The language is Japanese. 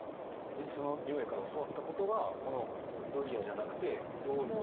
その明恵から教わったことがこのドリアじゃなくてドリ